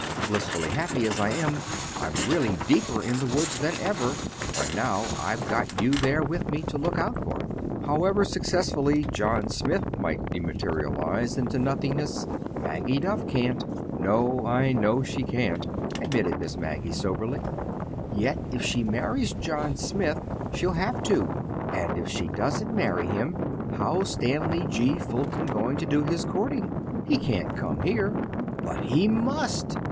Blissfully happy as I am, I'm really deeper in the woods than ever, for now I've got you there with me, to look out for. However successfully John Smith might dematerialize into nothingness—Maggie Duff can't." "No, I know she can't," admitted Miss Maggie soberly. "Yet if she marries John Smith she'll have to—and if she doesn't marry him, how's Stanley G. Fulton going to do his courting? He can't come here." "But he must!"